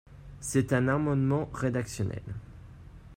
C’est un amendement rédactionnel.